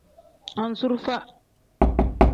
Anzurufa.